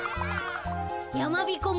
やまびこ村